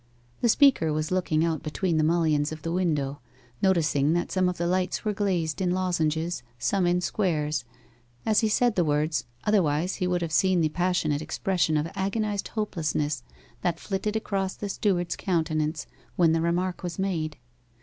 The speaker was looking out between the mullions of the window noticing that some of the lights were glazed in lozenges, some in squares as he said the words, otherwise he would have seen the passionate expression of agonized hopelessness that flitted across the steward's countenance when the remark was made.